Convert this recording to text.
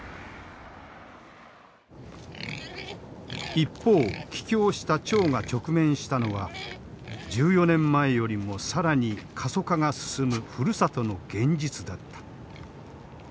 一方帰郷した張が直面したのは１４年前よりも更に過疎化が進むふるさとの現実だった。